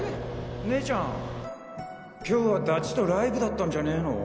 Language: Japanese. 姉ちゃん今日は友達とライブだったんじゃねぇの？